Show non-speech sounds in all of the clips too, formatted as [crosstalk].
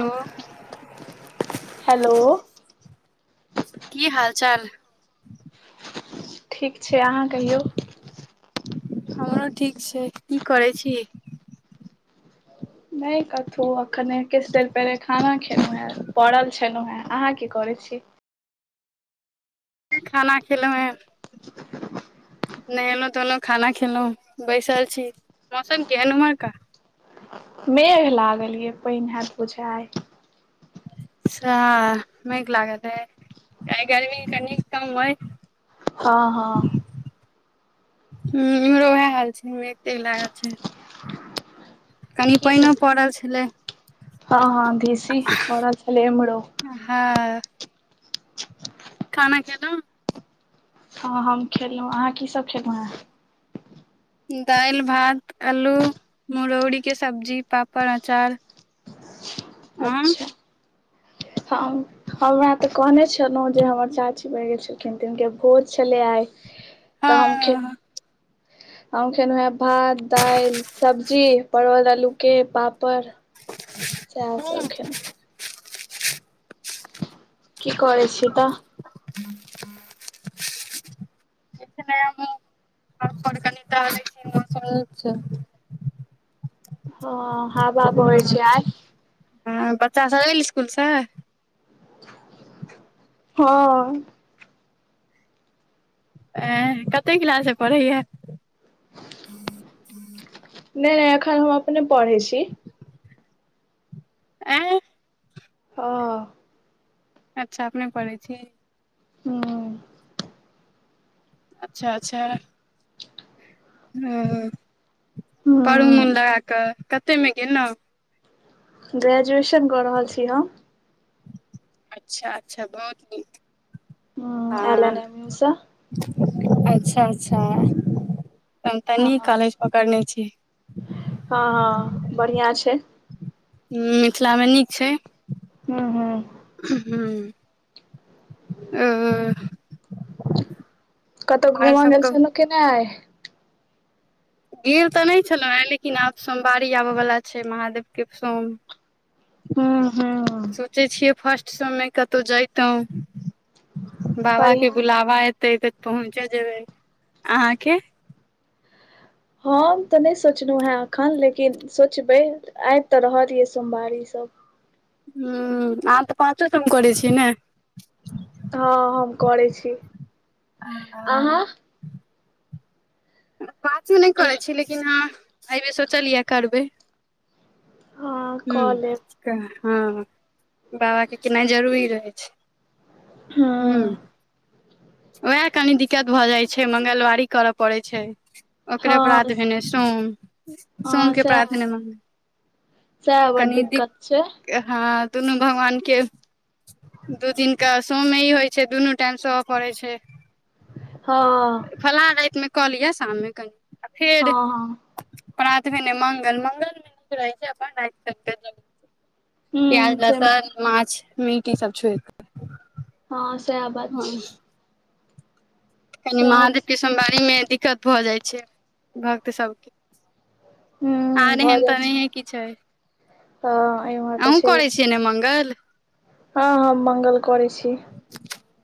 Hello hello की हाल चाल ठीक छै। अहाँ कहियौ? हमरो ठीक छै। की करै छी? नहि कथहु अखने किछु देर पहिले खाना खेलहुँ हेँ। पड़ल छलहुँ हेँ। अहाँ की करैत छी? खाना खेलहुँ है नहेलहुँ धोएलहुँ, खाना खेलहुँ, बैसल छी। मौसम केहन ओतऽ का? मेघ लागल ये पानि हत बुझाइए सेह मेघ लागत है क गर्मी कनि कम अए हाँ हाँ इमरो ओ हाल छै, मेघ तऽ लागल छै। कनि की पानिओ सब पड़ल छलै। हँ हँ, दिसि पलल छलै एमरो। हँ खाना खेलहु? हँ हम खेललहुँ। अहाँ कीसभ खेलहुँ हेँ? दालि भात अलू मुरौरी के सब्जी पापड़ अचार। अहाँ अच्छा हम हमरा तऽ कहने छलहुँ जे हमर चाची मरि गेल छलखिन, ते हुनके भोज छलै आइ। तऽ हम खे हँ हम खेेलहु हें भात दालि सब्जी परवल आलूके पापड़ से सब किछ खेलौं की करै छी कह किछ नहि [unintelligible] ह हँ हबा बहै छै आय हँ बच्चा सब एल स्कूलसँ हँ ए कते क्लास में पढ़ैय नहि नहि एखन हम अपने पढ़े छी आयं हँ अच्छा अपने पढ़ै छी हूँ अच्छा अच्छा ह पढु हूँ, मन लगा कऽ कतेमे गेलहुँ ग्रेजुएशन कऽ रहल छी हम अच्छा अच्छा बहुत नीक हूँ एल एन हँ एम यू सँ अच्छा अच्छा तब त हँ नीक कॉलेज पकड़ने छी हँ हँ बढ़िआँ छै मिथिलामे नीक छै हूँ हूँ ह आ कतौ घूमऽ गेल छलौ कि नहि आय गेल तऽ नहि छलौ आय लेकिन आब सोमवारी आबय वला छै महादेवके सोम हू हँ सोचै छियै फर्स्ट सोम मे कतहु जैतो बाबा के बढ़िआँ बुलाबा एते तऽ पहुँचे जेबै अहाँके हम तऽ नहि सोचलहुँ हेँ एखन लेकिन सोचबै आबि तऽ रहल य सोमवारीसभ ह अहाँ तऽ पाँचो सोम करै छी ने हँ हम करै छी अहाँ पाँचो पाचों नहि करै छी लेकिन अहाँ अयबेर सोचलियै करबै हँ कऽ लेब ह हँ बाबा क केनाइ जरूरी रहै छै हूँ हँ उएह कनि दिक्कत भऽ जाय छै मंगलवारी करय पड़ै छै ओकरे हँ परात भेने सोम हँ सोमके परात सएह भेने मंग सएह बड़ दिक्कत छै हँ दुनू भगवान के दू दिनका स ही होइ छै दुनू टाइम स परै छै हँ फला रातमे कहलिअ शाममे कनि आ फेर हँ हँ प्रात भेने मंगल मंगल मे नीक रहै छै अपन रति प्याज हूँ छै लहसन माछ मीट ई सब छोरिक हँ स‌एह बात छै कनि सएह महादेवके सोमवारीमे दिक्कत भऽ जाइ छै भक्त सभके हूँ आहेन तऽ नही कुछ है त एयमे त छै चिने मङ्गल हँ ह मंगल करै छी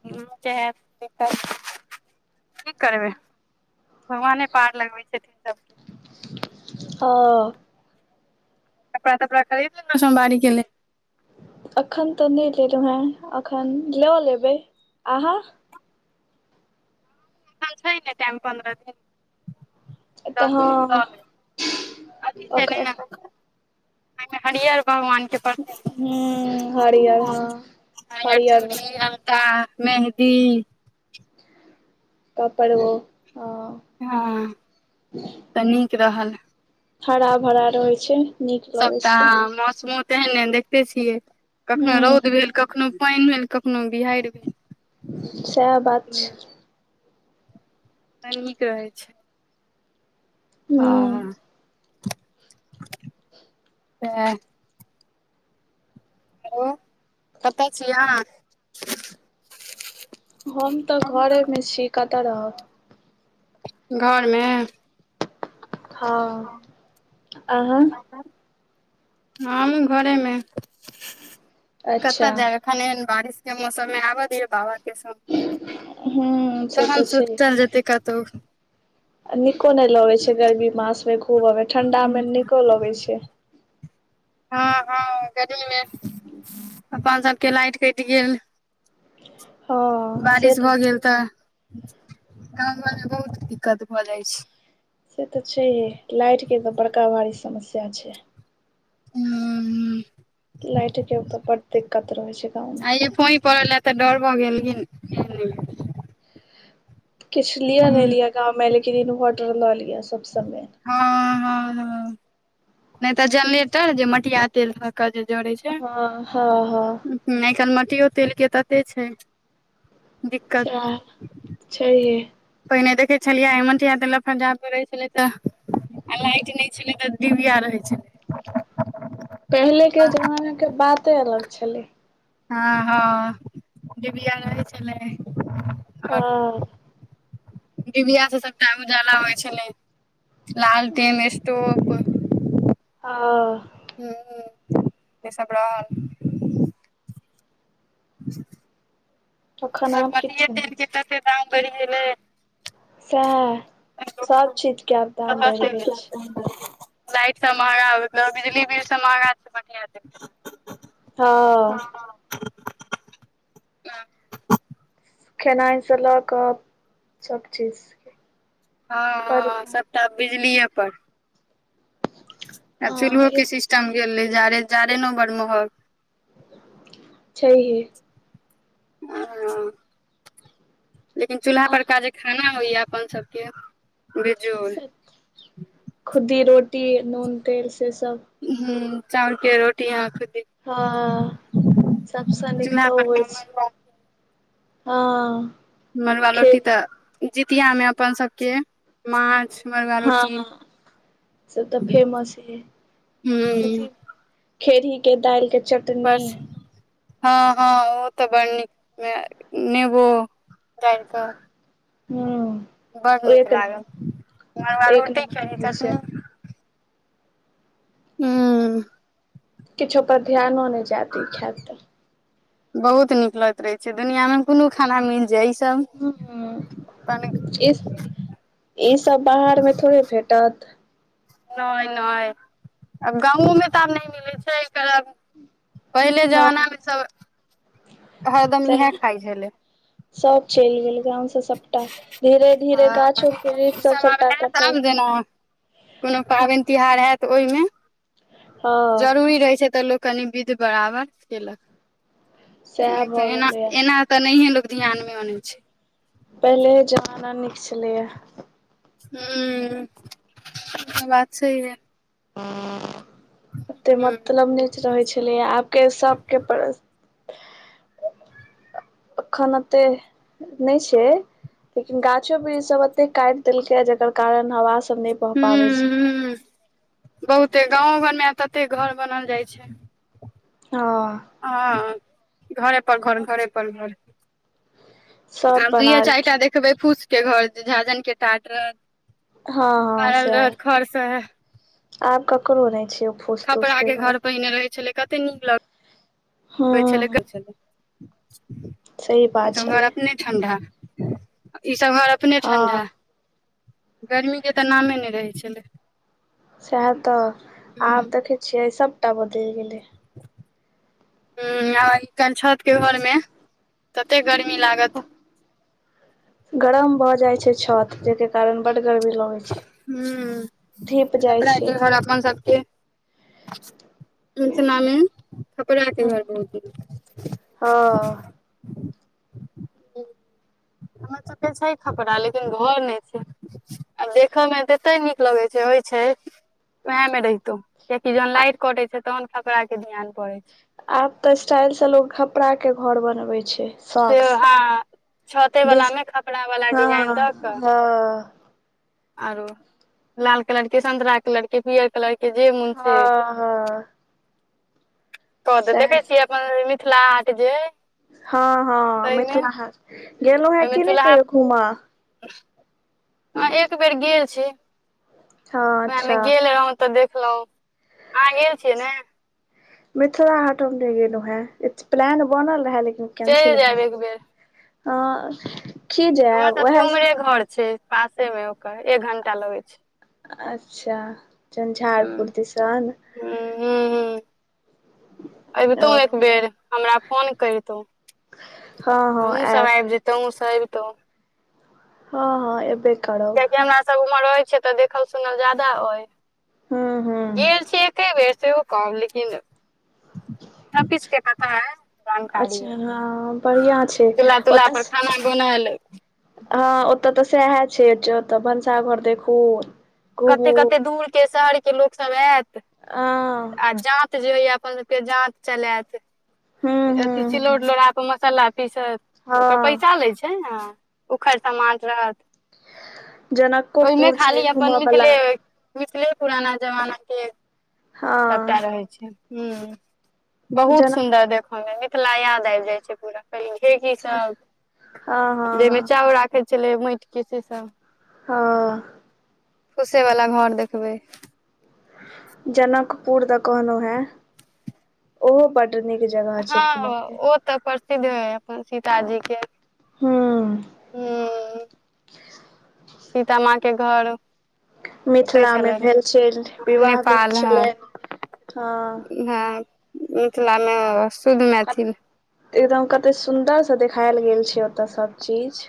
हुँ केहेब की करबै भगवाने पार लगबै छथिन सबके ह कपड़ा तपड़ा खरीदे ने सोमार के ल लेल अखन तऽ नहि लेलहुँ हेँ एखन लऽ लेबै अहाँ एखन छै टाइम पन्द्रह दिन तऽ दस दिन हँ ब अथी छै ओकर ने ओहिमे हरिअर भगवानके प्र हूँ हरियर हँ हरिहर हरियर चूड़ी अलता मेहन्दी कपड़बो हँ हँ तऽ नीक रहल हरा भरा रहै छै नीक लगै सबटा छै मौसमो तेहन ए देखते छियै कखनो हूँ रौद भेल कख कखनू पैन भेल कखनू बिहाड़ भेल सएह बात ह छै नीक रहै छै आ हूँ ह साह हेलो कते छिय हम तऽ घरेमे छी कतऽ रहब घरमे हँ अहा हम घरेमे अच्छा कतऽ जाय एखन एहन बारिश के मौसम मे आबऽ दियो बाहर केसब हूँ से तहन तऽ छै सुतल जेतै कतहु नीको नहि लगैत छै गर्मी मासमे खूब आबै ठण्डामे नीको लगैत छै हाँ हाँ गर्मीमे ह [inaudible] अपन सब के लाइट कटि गेल हँ बारिश भऽ गेल तऽ गाँव घर मे बहुत दिक्कत भऽ जाइ छै से तऽ छैहे लाइट के तऽ बड़का भारी समस्या छै हु हु लाइट के ओतऽ बड दिक्कत रहे छै गाँवमे की फुहीं परल या तऽ डर भऽ गेलखीन किछ लिया नहि लिया गाँव में लेकिन इनवोटर ला लिया सब समय हँ हँ ह नहि तऽ जेनरेटर जे मटिया तेल पर के जे जड़ै छै हँ हँ हँ आइ काइल मटियो तेल के तते छै दिक्कत साह छैए पहिने देखै छलियै मटीआ तेल लक रहै छलय तऽ आ लाइट नहि छलै तऽ डिबिया रहै छलै पहिले के जमाना के बाते अलग छलै आ हाँ हाँ डिबिया रहै छलै आओर हाँ डिबिया से सबटा उजाला होइ छलै लालटेन स्टोप हां आ हु हु से सब रहल [unintelligible] तखन सब आब मटिये किछु नहि छै दाम बढिं गेलै सएह सब चीज के आब दाम कह बढ़ि गेल छै [unintelligible] लाइट सब महगा मतलब बिजली बिल सब महगा छै बढ़िआ दे ह खेनाइ सँ लऽ कऽ सभ चीज बड ह दाम सबटा बिजलीेए पर आ चूल्हो हँ के य सिस्टम गेल रहै जाड़े जाड़े ने बड़ महग छैहे लेकिन चूल्हा आ पर का जे खाना होइयै अपन सबके बेजोर खुद्दी रोटी नून तेल से सब हु चावल के रोटी अहाँ खुद्दी हँ सब सँ नीक चूल्हा तऽ उ होइ परका छै मरुआ हाँ मरुआ रोटी तऽ जितिया में अपन सभ के माछ मरुआ रोटी हँ से तऽ फेमस हूँ छै खेरही के दालि के चट बस हँ हँ ओ तऽ बड़ नीक नेबो गाइर कऽ हूं बड़ नीक एक नम्बर लागल घर एक रोटी नम्बर खेड़ही बोलै छै चटनी हू किछो पर ध्यानो नहि जायत ई खायत तऽ बहुत नीक लगे रहै छै दुनिआँ में कोनो खाना मिल जाय ई सभ इस ई सब बाहर में थोड़े भेटत नैय नैय आब गाँवो में तऽ आब नहि मिलै छै एकर पहिले हँ जमाना मे ई सब हरदम इहे सैह खाइ छलै सब चलि गेल गांव से सबटा धीरे धीरे गाछो वृक्ष सब सबटा कटै केना कोनो पाबनि तिहार होयत ओहिमे हँ जरूरी रहैय छै तऽ लोक कनि विध बराबर केलक सएह नहि त भऽ एना गेलैये एना तऽ नहिये लोग ध्यान में अनै छै पहिले ह जमाना निक छलेय हू से बात छै है ओते हूं मतलब नहि रहै छलै आब के सबके पर अखन एते नहि छै लेकिन गाछो वृक्ष सब एते काटि देलकै जकर कारण हवा सब नहि भऽ पाबै हूं छै हूं बहुते गाँवो घर मे आ तते घर बनल जाइ छै हाँ हां घर पर घर घर पर घर सब आब दुइए चारि टा बनालखिन देखबै फूस के घर जे झाँझरन के टाट रहत हँ हँ छारल रहत सएह खरस आब ककरो नहि छै ओ फूस तूस के घर पहिने रहे छले कते नीक लग को छल को हूँ छल सही बात घर छलै अपने [unintelligible] ठंडा ई सभ इमहर अपने हँ ठंडा इन गर्मीके तऽ नामे नहि रहै छलै सएह तऽ हूँ आब देखे छियै सबटा बदलि गेले ह आ कनि छतके घोर मे तते गर्मी लागत गरम भऽ जाइ छै छत जेके कारण बड गरमी लगै छै हू धीप जाइ खपरा छै के घर अपन सबके ओहि जमाना मे खपरा के घर बहुत नीक हँ हमर सबके छै खपरा लेकिन घर नहि छै आ देखय मे तते नीक लगै छै होय छै वएह मे रहितो किया कि जहन लाइट कटे छै तहन खपरा के ध्यान पड़ै छै आब तऽ स्टाइल से लोग खपरा के घर बनवै छै से हँ छतेवला देश मे खपरा वला हँ डिजाइन दऽ कऽ हँ आरो लाल कलर के संतरा कलर के पियर कलर के जे मोन से हँ हँ कह त सएह देखै छियै अपन मिथिला हाट जे हँ हँ ताहिमे मिथिला हाट गेलो हं की नहि घूमा हां एक बेर गेल छी हँ ओह मे अच्छा गेल तऽ देखलै आहाँ गेल छियै ने मिथिला हाट हम नहि गेलौ हं इ स प्लान बनल रहै लेकिन चलि कैंसिल भ जायब गेल एक बेर हाँ हमर सब के उमरे घर छै पासे मे ओकर एक घंटा लगै छै अच्छा हूँ झंझारपुर दिसन आइब तौ ओ एक बेर हमरा फोन करितहु हँ हँ हमहुँ सब आयब आबि जेतौ आहाँ सब एबतौ हँ हँ ए बे करब कियाकि हमरा सब उर रहै छैय तऽ देखल सुनल जादा ओय हूँ हूँ गेल छी कते बेर से ओ कहब लेकिन सब किछ के पता ‌ अइ जानकारी अच्छा हँ ह बढ़िआँ छै चूल्ला तुल्हा ओतऽ पर खाना बनालय छियै हँ ओतय तऽ सएह छै ओतऽ भनसाघर देखू कते घुमू कते दूर के शहर के लोक सब आयत आ आ जा जे होइया अपन सबके जांत चलेत हूँ हूँ अथी हूँ सिलौठलोढ़ा पर मसाला पीसत ओकर हँ पैसा लै छै ने उखरि समाठ रहत ओहिमे जनकोपुर खाली छै अपन घूमऽ बला मिथिले मिथिले पुराना जमाना के सभटा हँ रहै छै ह बहुत जनक सुन्दर देखय मे मिथिला याद आइब जाइ छै पूरा पैठी हँ सब हँ जाहिमे हँ चाउर राखै छलै माटिक के से सब ह फूसे वाला घर देखबै जनकपूर द कहनो है ओहो बड नीक जगह छै हँ घूमऽ के ओ तऽ प्रसिद्ध हय अपन सीताजी के हू हू सीता माँ के घर ओते मिथिला मे छलनि भेल छल विवाह भेल नेपाल हँ छलै हँ हँ मिथिलामे शुद्ध मैथिल एकदम कते सुंन्दर से देखायल गेल छै ओत सब चीज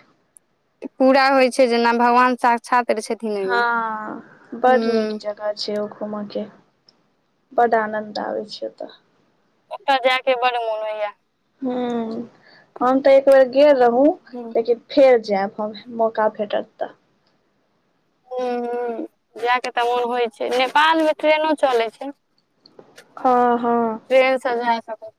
पूरा होइ छै जेना भगवान शास छात छथिन ओहिमे हँ बड़ नीक हूँ जगह छै ओ घूम के बड आनन्द आबे छै ओतऽ ओतऽ जाय के बड मोन होइया हू हम तऽ एक बेेर गेल रहू हूँ लेकिन फेर जायब हम मौका भेटत तऽ ह जायके तऽ मोन होइ छै नेपालमे ट्रेनो चलैत छै हँ हँ ट्रेन स जायके